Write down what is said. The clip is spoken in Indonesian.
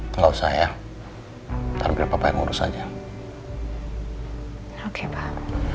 kalau saya tapi papa yang urus aja oke pak